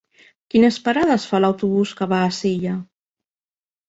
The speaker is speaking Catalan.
Quines parades fa l'autobús que va a Silla?